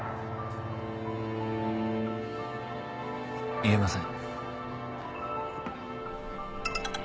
言えません。